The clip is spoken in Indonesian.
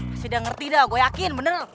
pasti udah ngerti dah gue yakin bener